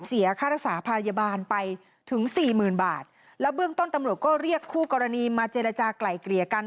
เสียค่ารักษาพยาบาลไปถึงสี่หมื่นบาทแล้วเบื้องต้นตำรวจก็เรียกคู่กรณีมาเจรจากลายเกลี่ยกัน